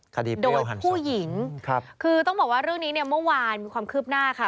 คดีโดยผู้หญิงครับคือต้องบอกว่าเรื่องนี้เนี่ยเมื่อวานมีความคืบหน้าค่ะ